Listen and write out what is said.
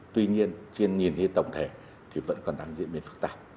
tuy nhiên trên nhìn như tổng thể thì vẫn còn đang diễn biến phức tạp